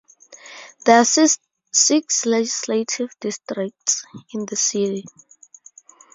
There are six legislative districts in the city.